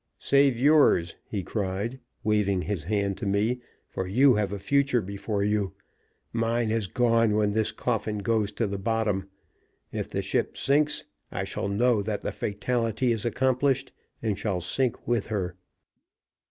"Save yours," he cried, waving his hand to me, "for you have a future before you. Mine is gone when this coffin goes to the bottom. If the ship sinks, I shall know that the fatality is accomplished, and shall sink with her."